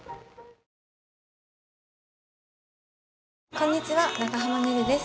こんにちは長濱ねるです。